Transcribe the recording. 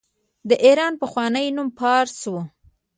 د ایران پخوانی نوم فارس و.